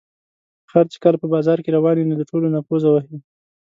خر چې کله په بازار کې روان وي، نو د ټولو نه پوزې وهي.